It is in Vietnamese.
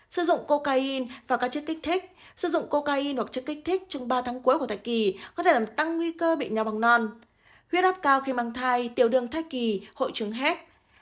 sử dụng cocaine và các chất kích thích sử dụng cocaine hoặc chất kích thích trong ba tháng cuối của thai kỳ có thể làm tăng nguy cơ bị nho bằng non huyết áp cao khi mang thai tiểu đường thai kỳ hội chứng hét